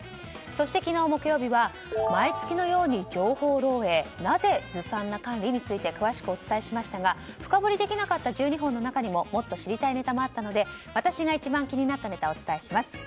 そして昨日木曜日は毎月のように情報漏洩なぜ、ずさんな管理について詳しくお伝えしましたが深掘りできなかった１２本の中にももっと知りたいネタがあったので私が一番気になったネタをお伝えします。